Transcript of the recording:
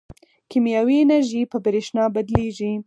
کیمیاوي انرژي په برېښنا بدلېږي.